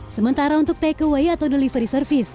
sementara untuk takeaway atau delivery service